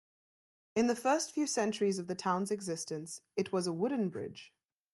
In the first few centuries of the town's existence, it was a wooden bridge.